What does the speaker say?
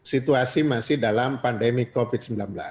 situasi masih dalam pandemi covid sembilan belas